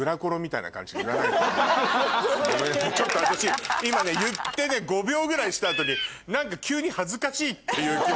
ごめんねちょっと私今ね言ってね５秒ぐらいした後に何か急に恥ずかしいっていう気持ちに。